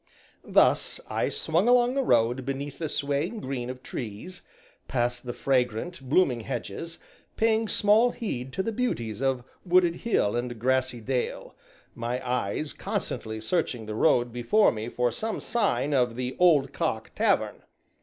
Thus, I swung along the road beneath the swaying green of trees, past the fragrant, blooming hedges, paying small heed to the beauties of wooded hill and grassy dale, my eyes constantly searching the road before me for some sign of the "Old Cock" tavern.